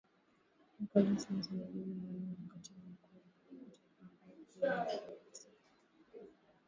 Nicholas Haysom mjumbe maalum wa katibu mkuu wa Umoja wa Mataifa, ambae pia ni mkuu wa ofisi ya Umoja wa Mataifa Sudan Kusini